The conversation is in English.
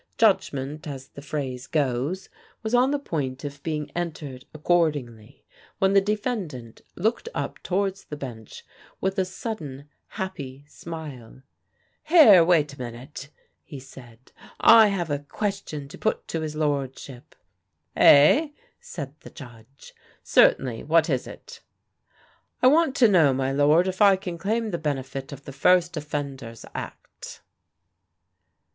Judgment, as the phrase goes, was on the point of being entered accordingly, when the defendant looked up towards the Bench with a sudden, happy smile. "Here, wait a minute!" he said. "I have a question to put to his lordship." "Eh?" said the Judge. "Certainly. What is it?" "I want to know, my lord, if I can claim the benefit of the First Offenders Act?"